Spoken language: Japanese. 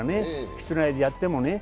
室内でやってもね。